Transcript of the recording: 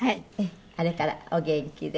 あれからお元気で。